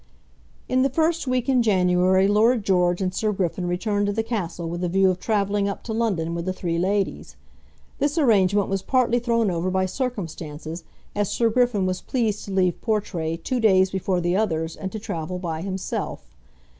In the first week in January Lord George and Sir Griffin returned to the castle with the view of travelling up to London with the three ladies. This arrangement was partly thrown over by circumstances, as Sir Griffin was pleased to leave Portray two days before the others and to travel by himself.